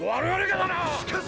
しかし！